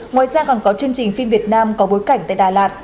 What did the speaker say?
ngoài ra còn có chương trình phim việt nam có bối cảnh tại đà lạt